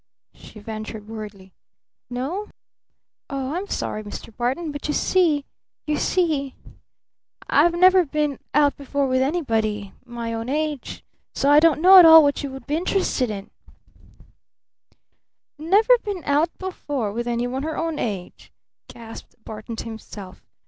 she ventured worriedly. "No? Oh, I'm sorry, Mr. Barton, but you see you see I've never been out before with anybody my own age. So I don't know at all what you would be interested in!" "Never been out before with any one her own age?" gasped Barton to himself.